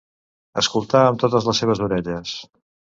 Escoltar amb totes les seves orelles.